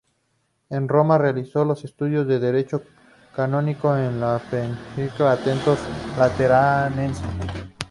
En Roma, realizó los estudios en Derecho Canónico en el Pontificio Ateneo Lateranense.